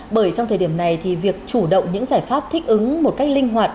bởi trong thời điểm này thì việc chủ động những giải pháp thích ứng một cách linh hoạt